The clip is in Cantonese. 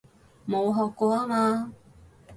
冇學過吖嘛